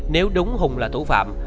nếu đúng hùng là tủ phạm